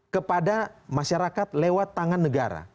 kepada masyarakat lewat tangan negara